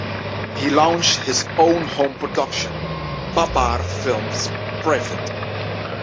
He launched his own home production; Babbar Films Pvt.